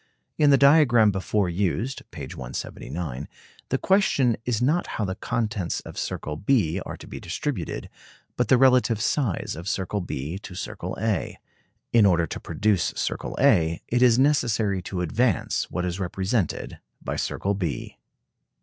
In the diagram before used (p. 179) the question is not how the contents of circle B are to be distributed, but the relative size of circle B to circle A. In order to produce circle A, it is necessary to advance what is represented by circle B.